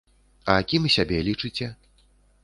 А кім сябе лічыце?